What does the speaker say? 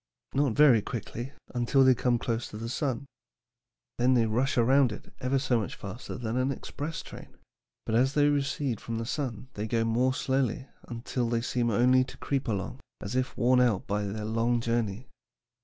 "Not very quickly until they come close to the sun. Then they rush around it ever so much faster than an express train; but as they recede from the sun they go more slowly until they seem only to creep along, as if worn out by their long journey.